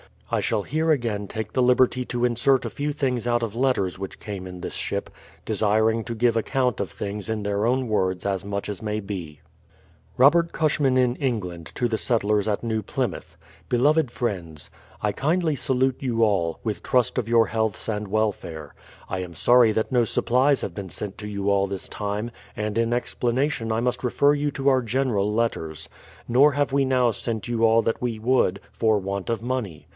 I shall here again take the liberty to insert a few things out of letters which came in this ship, desiring to give account of things in their own words as much as may be, 122 BRADFORD'S HISTORY OF Robert Cushman in England to the Settlers at New Plymouth: Beloved Friends, I kindly salute you all, with trust of your healths and welfare. I am sorry that no supplies have been sent to you all this time, and in explanation I must refer you to our general letters. Nor have we now sent you all that we would, for want of money.